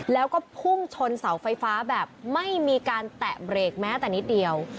แล้วก็พุ่งชนเสาไฟฟ้าแบบไม่มีการแตะเบรกแม้แต่นิดเดียว